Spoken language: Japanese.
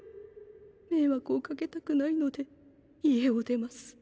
迷惑を掛けたくないので家を出ます。